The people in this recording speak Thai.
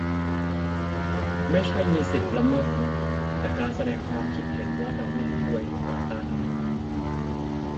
ไม่ใช่มีสิทธิละเมิดคนอื่น แต่การแสดงความคิดเห็นว่าเราไม่เห็นด้วยหรือต่อต้านอะไรบางอย่าง